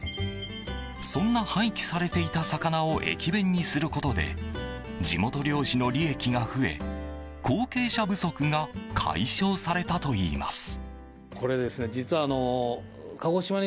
そんな廃棄されていた魚を駅弁にすることで地元漁師の利益が増え後継者不足が解消されたといいます。